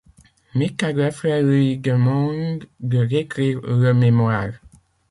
Mittag-Leffler lui demande de récrire le mémoire.